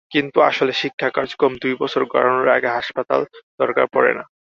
কিন্তু আসলে শিক্ষা কার্যক্রম দুই বছর গড়ানোর আগে হাসপাতাল দরকার পড়ে না।